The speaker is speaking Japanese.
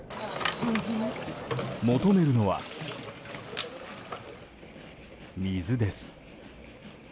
求めるのは、水です。